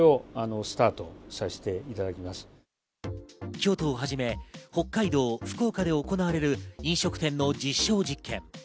京都をはじめ北海道、福岡で行われる飲食店の実証実験。